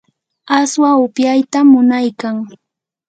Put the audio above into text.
aswa upyaytam munaykan.